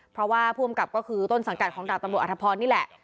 เพราะว่าผู้อำกับก็คือต้นสังกัดของดาบตำรวจอธพรนี่แหละ